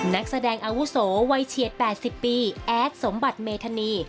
นักแสดงอาวุโสวัยเฉียด๘๐ปีแอดสมบัติเมธานี